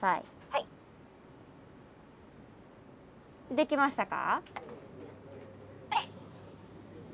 できましたか？